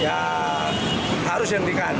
ya harus dihentikan